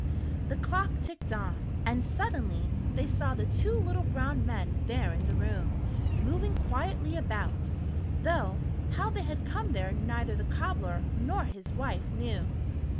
The clock ticked on, and suddenly they saw the two little brown men there in the room, moving quietly about, though how they had come there neither the cobbler nor his wife knew.